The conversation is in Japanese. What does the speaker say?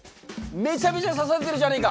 めちゃめちゃ刺されてるじゃねえか。